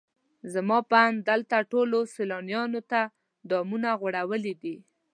زما په اند دلته ټولو سیلانیانو ته دامونه غوړولي دي.